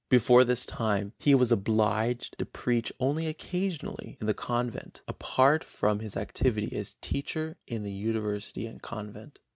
Before this time he was obliged to preach only occasionally in the convent, apart from his activity as teacher in the University and convent.